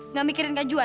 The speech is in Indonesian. nggak mikirin kak juhan